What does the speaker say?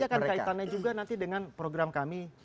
itu nanti akan kaitannya juga nanti dengan program pembelajaran